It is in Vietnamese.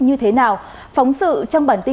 như thế nào phóng sự trong bản tin